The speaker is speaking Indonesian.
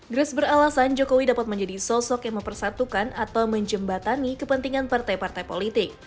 grace beralasan jokowi dapat menjadi sosok yang mempersatukan atau menjembatani kepentingan partai partai politik